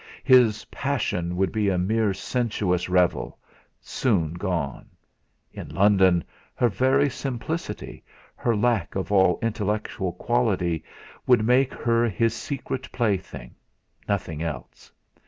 His passion would be a mere sensuous revel, soon gone; in London, her very simplicity, her lack of all intellectual quality, would make her his secret plaything nothing else.